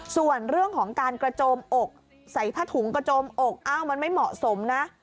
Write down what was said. ส่วนเรื่องของการกระโจมอกใส่ผ้าถุงกระโจมอกอ้าวมันไม่เหมาะสมนะ